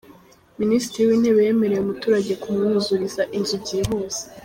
Minisitiri w’Intebe yemereye umuturage kumwuzuriza inzu byihuse